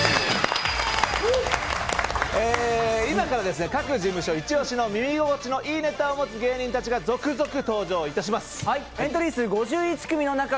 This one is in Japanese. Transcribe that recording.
今から各事務所イチ押しの耳心地いいネタを持つ芸人たちが続々登場いたします！